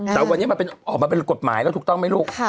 แต่วันนี้มันออกมาเป็นกฎหมายแล้วถูกต้องไหมลูก